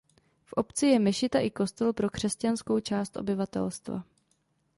V obci je mešita i kostel pro křesťanskou část obyvatelstva.